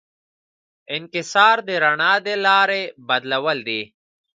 انکسار د رڼا د لارې بدلول دي.